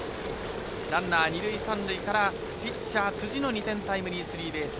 ランナー、二塁三塁からピッチャー辻の２点タイムリースリーベース。